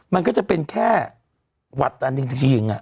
มันก็จะเป็นแค่หวัดอันจริง